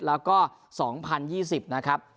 แล้วก็๒๐๒๐นะครับ